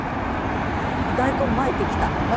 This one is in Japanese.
大根まいてきた？